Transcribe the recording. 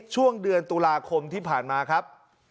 ช่วงเดือนตุลาคมที่ผ่านมาครับ